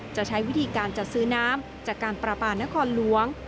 จะใช้วิธีการจัดซื้อน้ำจากการประปานครหลวง